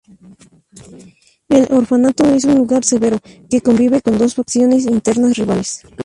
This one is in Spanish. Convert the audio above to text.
El orfanato es un lugar severo, que convive con dos facciones internas rivales.